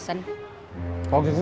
kalau gitu saya duluan